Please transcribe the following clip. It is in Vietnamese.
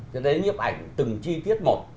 cho nên những bức ảnh từng chi tiết một